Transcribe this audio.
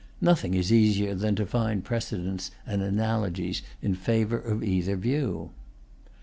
Nothing is easier than to find precedents and analogies in favor of either view.